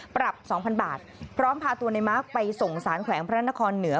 ปรับ๒๐๐บาทพร้อมพาตัวในมาร์คไปส่งสารแขวงพระนครเหนือ